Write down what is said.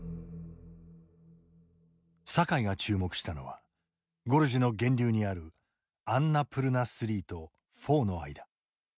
酒井が注目したのはゴルジュの源流にあるアンナプルナⅢとⅣの間。